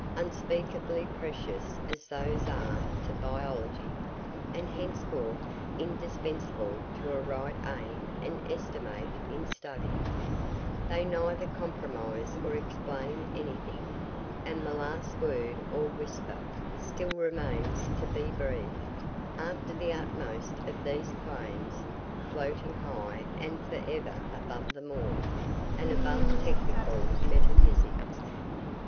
Unspeakably precious as those are to biology, and henceforth indispensable to a right aim and estimate in study, they neither comprise or explain everything and the last word or whisper still remains to be breathed, after the utmost of those claims, floating high and forever above them all, and above technical metaphysics.